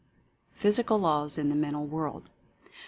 PHYSICAL LAWS IN THE MENTAL WORLD.